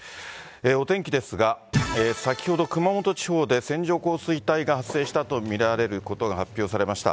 お天気ですが、先ほど、熊本地方で線状降水帯が発生したと見られることが発表されました。